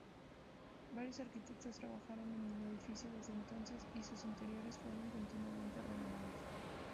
Varios arquitectos trabajaron en el edificio desde entonces y sus interiores fueron continuamente renovados.